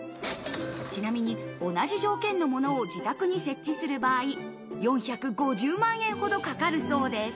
ちなみに同じ条件のものを自宅に設置する場合、４５０万円ほどかかるそうです。